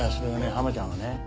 ハマちゃんはね